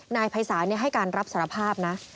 นายภัยศาลให้การรับสารภาพนะ